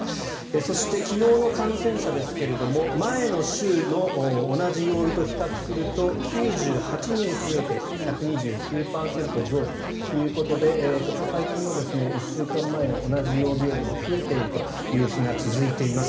そして、昨日の感染者ですが前の週の同じ曜日と比較すると９８人増えて１２９％増ということでここ最近は１週間前の同じ曜日よりも増えているという日が続いています。